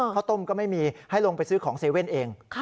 ข้าวต้มก็ไม่มีให้ลงไปซื้อของเซเว่นเอง